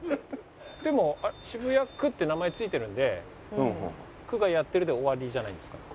でも渋谷区って名前ついてるんで「区がやってる」で終わりじゃないんですか？